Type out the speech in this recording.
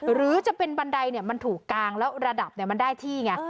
หรือจะเป็นบันไดมันถูกกางแล้วระดับมันได้ที่ไง